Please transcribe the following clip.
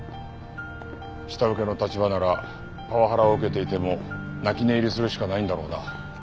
下請けの立場ならパワハラを受けていても泣き寝入りするしかないんだろうな。